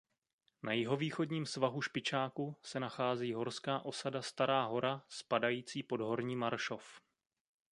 Na jihovýchodním svahu Špičáku se nachází horská osada Stará Hora spadající pod Horní Maršov.